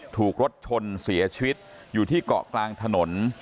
ถูกรถชนเสียชีวิตอยู่ที่เกาะกลางถนน